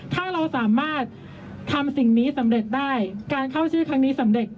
ถ้าเราสามารถทำสิ่งนี้สำเร็จได้การเข้าชื่อครั้งนี้สำเร็จ